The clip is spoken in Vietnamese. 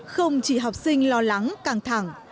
không chỉ học sinh lo lắng căng thẳng